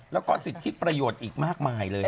แล้วก็สิทธิประโยชน์อีกมากมายเลย